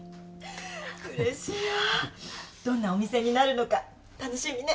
嬉しいわどんなお店になるのか楽しみね